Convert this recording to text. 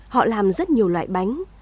họ làm rất nhiều loại bánh